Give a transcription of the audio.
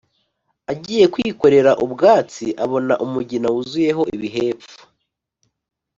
agiye kwikorera ubwatsi abona umugina wuzuyeho ibihepfu,